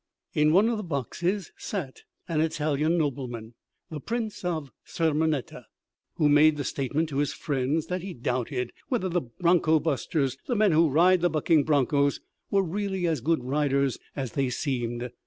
In one of the boxes sat an Italian nobleman, the Prince of Sermonetta, who made the statement to his friends that he doubted whether the broncho busters the men who ride the bucking bronchos were really as good riders as they seemed.